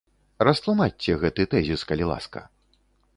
Растлумачце гэты тэзіс, калі ласка.